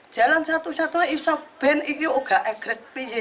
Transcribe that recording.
jalan satu satunya bisa dikotak kotak